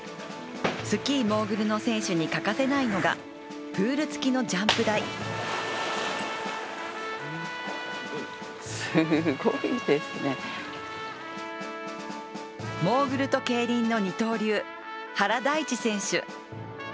スキーモーグルの選手に欠かせないのが、プール付きのジャンプ台モーグルと競輪の二刀流原大智選手。